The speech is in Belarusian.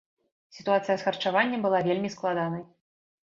Сітуацыя з харчаваннем была вельмі складанай.